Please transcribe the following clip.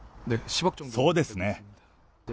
そうですね。